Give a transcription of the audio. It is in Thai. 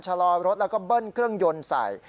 ชะลอรถแล้วก็เบิ้ลเครื่องยนต์ใส่